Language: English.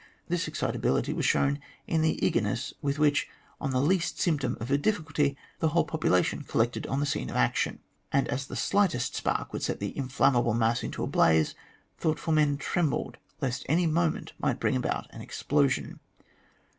This excitability was shown in the eagerness with which, on the least symptom of a " difficulty," the whole population collected on the scene of action ; and, as the slightest spark would set the inflammable mass into a blaze, thoughtful men trembled lest any moment might bring about an explosion.